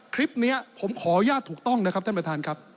คลิปนี้ผมขออนุญาตถูกต้องนะครับ